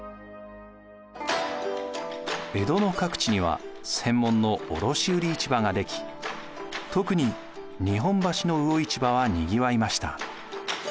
江戸の各地には専門の卸売市場が出来特に日本橋の魚市場はにぎわいました。